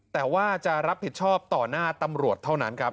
แต่ว่าจะรับผิดชอบต่อหน้าตำรวจเท่านั้นครับ